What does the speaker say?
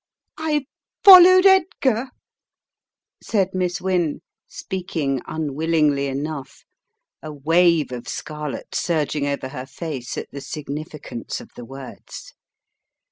"I followed Edgar," said Miss Wynne, speaking unwillingly enough, a wave of scarlet surging over her face at the significance of the words.